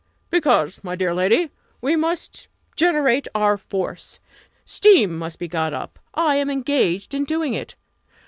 "Because, my dear lady we must generate our force. Steam must be got up I am engaged in doing it.